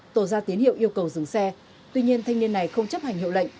tổ ra tín hiệu yêu cầu dừng xe tuy nhiên thanh niên này không chấp hành hiệu lệnh